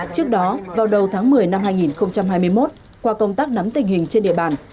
trước đó vào đầu tháng một mươi năm hai nghìn hai mươi một qua công tác nắm tình hình trên địa bàn